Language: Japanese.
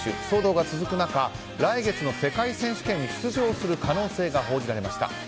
騒動が続く中来月の世界選手権に出場する可能性が報じられました。